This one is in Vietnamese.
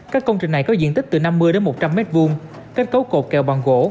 các công trình này có diện tích từ năm mươi đến một trăm linh m hai kết cấu cột kèo bằng gỗ